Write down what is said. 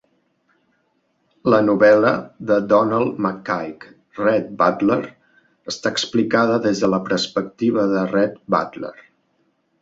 La novel·la de Donald McCaig "Rhett Butler" està explicada des de la perspectiva de Rhett Butler.